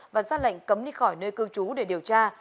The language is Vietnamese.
và ra lệnh cấm đi khỏi nơi cư trú để điều tra